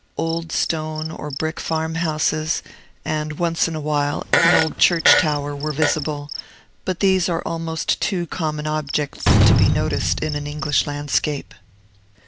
Old stone or brick farm houses, and, once in a while, an old church tower, were visible; but these are almost too common objects to be noticed in an English landscape.